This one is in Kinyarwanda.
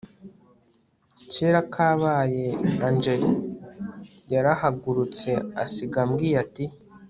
kera kabaye angel yarahagurutse asiga ambwiye ati